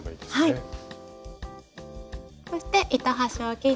はい。